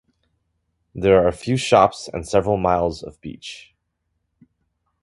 There are a few shops and several miles of beach.